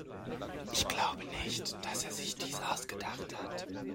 Ich glaube nicht, dass er sich dies ausgedacht hat.